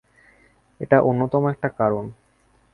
এটা অন্যতম একটা কারণ।